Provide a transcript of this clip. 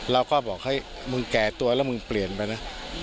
เราก็บอกเฮ้ยมึงแก่ตัวแล้วมึงเปลี่ยนไปนะ